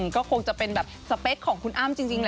ก็คงจะเป็นแบบสเปคของคุณอ้ำจริงแหละ